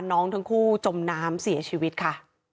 น้องทั้งคู่จมน้ำเสียชีวิตค่ะ